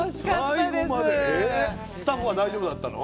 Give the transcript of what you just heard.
スタッフは大丈夫だったの？